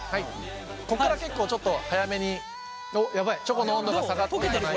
ここから結構ちょっと早めにチョコの温度が下がってくるので。